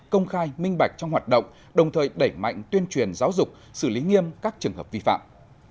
công khai minh bạch trong hoạt động đồng thời đẩy mạnh tuyên truyền giáo dục xử lý nghiêm các trường hợp vi phạm